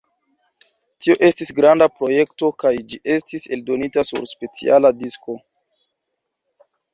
Tio estis granda projekto kaj ĝi estis eldonita sur speciala disko.